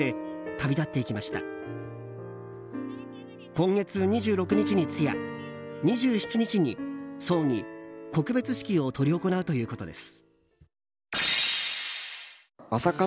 今月２６日に通夜２７日に葬儀・告別式を執り行うということです。